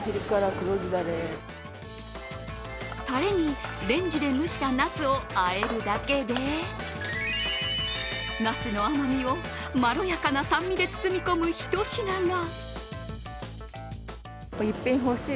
たれにレンジで蒸したナスをあえるだけでナスの甘みをまろやかな酸味で包む一品が。